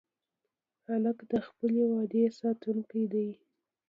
هلک د خپلې وعدې ساتونکی دی.